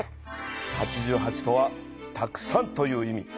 「八十八」とはたくさんという意味。